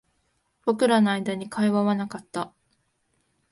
僕らの間に会話はなかった